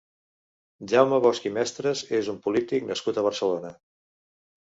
Jaume Bosch i Mestres és un polític nascut a Barcelona.